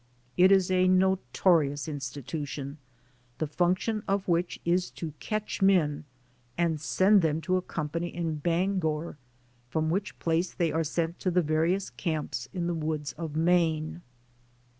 It is a notorious institution, the function of which is to catch men and send them to a company in Bangor, from which place they are sent to the various camps in the woods of Maine.